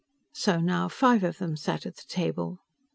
So now five of them sat at the table.